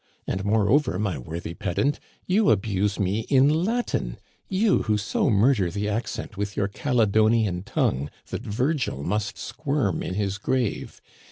And, moreover, my worthy pedant, you abuse me in Latin — you who so murder the accent with your Caledonian tongue that Virgil must squirm in his grave